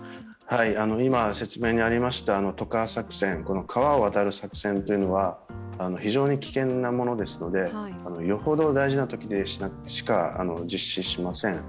渡河作戦川を渡る作戦っていうのは非常に危険なものですので、よほど大事なときしか実施しません。